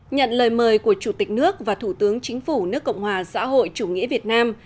nhận lời mời của chủ tịch nước và thủ tướng chính phủ nước cộng hòa xã hội chủ nghĩa việt nam